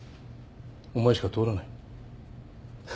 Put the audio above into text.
お前しか通らない。